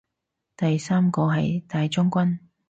第三個係大將軍